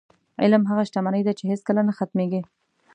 علم هغه شتمني ده، چې هېڅکله نه ختمېږي.